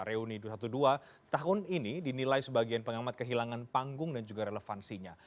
reuni dua puluh dua tahun ini dinilai sebagai pengamat kehilangan panggung dan juga relevansinya